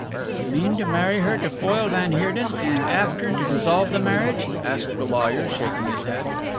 "You mean to marry her to foil van Heerden, and after to dissolve the marriage?" asked the lawyer, shaking his head.